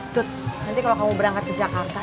tut nanti kalau kamu berangkat ke jakarta